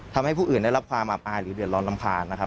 ทำให้ผู้อื่นได้รับความอับอายหรือเดือดร้อนรำคาญนะครับ